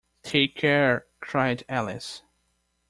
‘Take care!’ cried Alice.